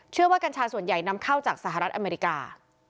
กัญชาส่วนใหญ่นำเข้าจากสหรัฐอเมริกา